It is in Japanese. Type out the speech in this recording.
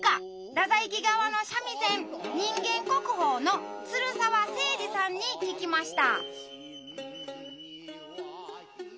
太宰家側の三味線人間国宝の鶴澤清治さんに聞きました。